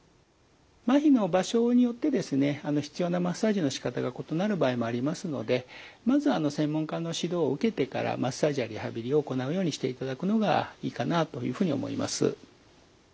まひの場所によってですね必要なマッサージのしかたが異なる場合もありますのでまず専門家の指導を受けてからマッサージやリハビリを行うようにしていただくのがいいかなあというふうに思います。